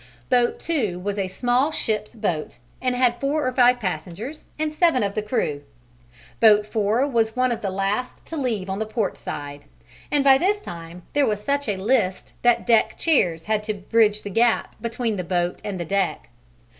Boat 2 was a small ship's boat and had four or five passengers and seven of the crew. Boat 4 was one of the last to leave on the port side, and by this time there was such a list that deck chairs had to bridge the gap between the boat and the deck.